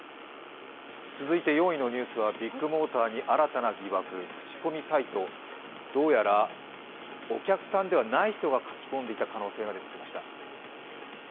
続いて４位のニュースはビッグモーターに新たな疑惑、口コミサイト、どうやらお客さんではない人が書き込んでいた可能性が出てきました。